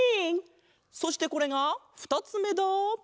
そしてこれがふたつめだ！